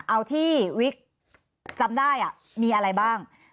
เอาที่วิกจำได้มีอะไรบ้าง